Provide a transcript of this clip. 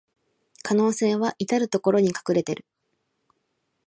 可能性はいたるところに隠れてる